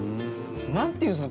なんていうんですか？